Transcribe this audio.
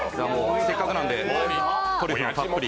せっかくなんで、トリュフもたっぷり。